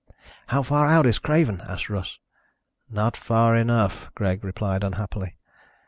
"How far out is Craven?" asked Russ. "Not far enough," Greg replied unhappily.